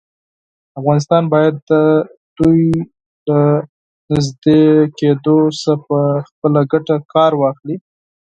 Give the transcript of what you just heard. افغانستان باید د دوی له نږدې کېدو څخه په خپله ګټه کار واخلي.